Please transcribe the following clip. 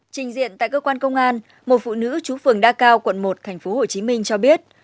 trình diện tại cơ quan công an một phụ nữ chú phường đa cao quận một tp hcm cho biết